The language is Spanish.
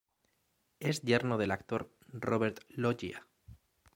Es yerno del actor Robert Loggia.